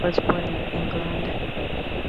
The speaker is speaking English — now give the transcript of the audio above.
She was born in England.